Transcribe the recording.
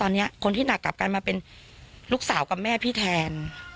ตอนนี้คนที่หนักกลับกลายมาเป็นลูกสาวกับแม่พี่แทน